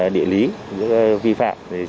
địa lý vi phạm